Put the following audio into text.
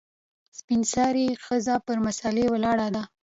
سپین سرې ښځه پر مسلې ولاړه ده .